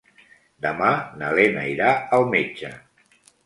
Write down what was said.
Demà na Lena irà al metge.